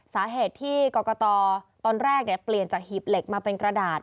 สาเหตุที่กรกตตอนแรกเปลี่ยนจากหีบเหล็กมาเป็นกระดาษ